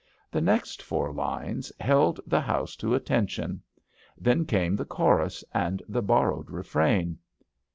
The next four lines held the house to attention. Then came the chorus and the borrowed refrain.